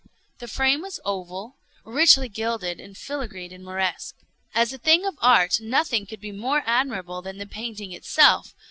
The frame was oval, richly gilded and filigreed in Moresque. As a thing of art nothing could be more admirable than the painting itself.